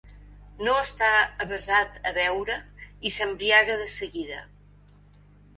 No està avesat a beure i s'embriaga de seguida.